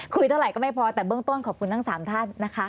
คุยเท่าไหร่ก็ไม่พอแต่เบื้องต้นขอบคุณทั้ง๓ท่านนะคะ